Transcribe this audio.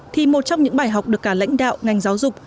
thì một trong những bài học được cả lãnh đạo ngành giáo dục